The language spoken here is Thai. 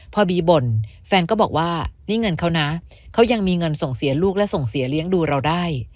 พอบีบ่นแฟนก็บอกว่านี่เงินเขานะเขายังมีเงินส่งเสียลูกและส่งเสียเลี้ยงดูเราได้